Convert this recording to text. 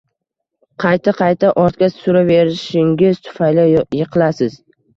Qayta-qayta ortga suraverishingiz tufayli yiqilasiz.